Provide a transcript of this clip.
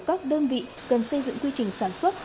các đơn vị cần xây dựng quy trình sản xuất